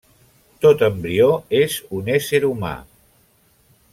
Tot embrió és un ésser humà.